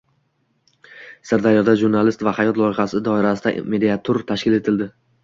Sirdaryoda “Jurnalist va hayot” loyihasi doirasida mediatur tashkil etildi